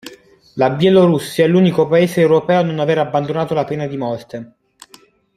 La Bielorussia è l'unico paese europeo a non aver abbandonato la pena di morte.